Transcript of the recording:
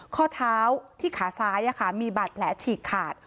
ข้อเท้าที่ขาซ้ายมีบาดแผลฉีกขาด